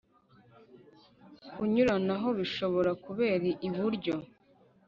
kunyuranaho bishobora kubera iburyo